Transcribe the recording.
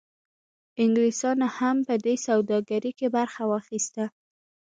انګلیسانو هم په دې سوداګرۍ کې برخه واخیسته.